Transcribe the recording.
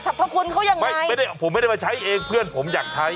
พระคุณเขายังไม่ได้ผมไม่ได้มาใช้เองเพื่อนผมอยากใช้